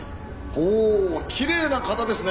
ほおきれいな方ですね。